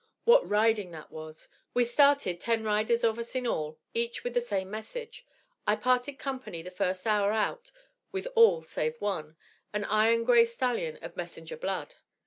What riding that was! We started, ten riders of us in all, each with the same message. I parted company the first hour out with all save one, an iron gray stallion of Messenger blood.